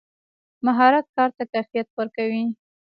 مهارت کار ته کیفیت ورکوي.